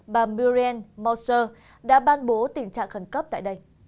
bà miriam moser đã ban bố tình trạng khẩn cấp tại đây